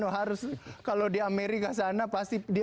harus kalau di amerika sana pasti dia